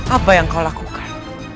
apa yang kau lakukan